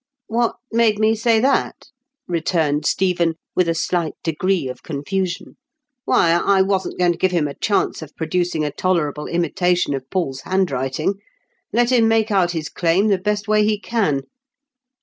" What made me say that ?" returned Stephen, with a slight degree of confusion. " Why, I wasn't going to give him a chance of producing a tolerable imitation of Paul's hand writing. Let him make out his claim the best way he can."